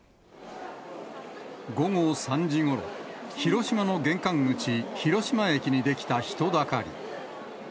午後３時ごろ、広島の玄関口、広島駅に出来た人だかり。